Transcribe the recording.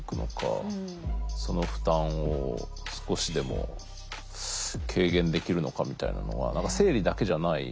その負担を少しでも軽減できるのかみたいなのは何か生理だけじゃない。